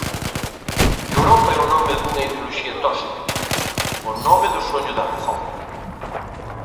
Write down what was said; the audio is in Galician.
Europa é o nome dunha ideoloxía tóxica, o nome do soño da razón.